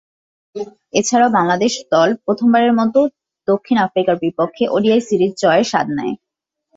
এছাড়াও বাংলাদেশ দল প্রথমবারের মতো দক্ষিণ আফ্রিকার বিপক্ষে ওডিআই সিরিজ জয়ের স্বাদ নেয়।